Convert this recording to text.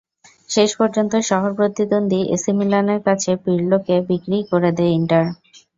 শেষ পর্যন্ত শহর প্রতিদ্বন্দ্বী এসি মিলানের কাছে পিরলোকে বিক্রিই করে দেয় ইন্টার।